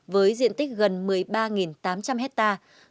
với diện tích gần một mươi ba tám trăm linh hectare